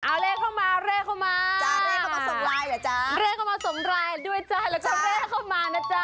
เอาเลขเข้ามาเลขเข้ามาจ้าเลขเข้ามาส่งไลน์เหรอจ๊ะเลขเข้ามาส่งไลน์ด้วยจ้าแล้วก็เลขเข้ามานะจ๊ะ